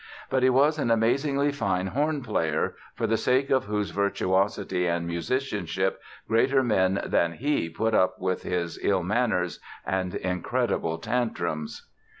But he was an amazingly fine horn player, for the sake of whose virtuosity and musicianship greater men than he put up with his ill manners and incredible tantrums.